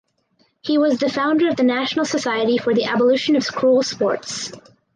He was the founder of the National Society for the Abolition of Cruel Sports.